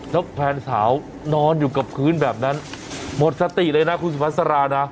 แล้วแฟนสาวนอนอยู่กับพื้นแบบนั้นหมดสติเลยนะคุณสุภาษารานะ